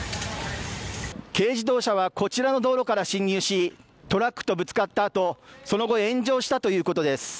軽自動車はこちらの道路から進入しトラックとぶつかったあとその後、炎上したということです。